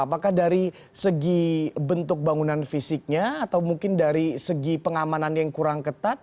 apakah dari segi bentuk bangunan fisiknya atau mungkin dari segi pengamanan yang kurang ketat